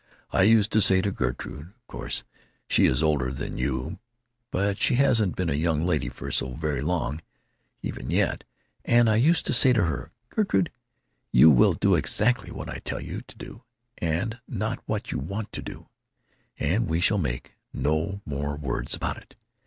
I used to say to Gertrude—of course she is older than you, but she hasn't been a young lady for so very long, even yet—and I used to say to her, 'Gertrude, you will do exactly what I tell you to, and not what you want to do, and we shall make—no—more—words—about it!'